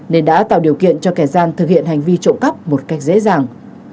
nên đã tạo điều kiện cho kẻ gian thực hiện hành vi trộm cắp một cách dễ dàng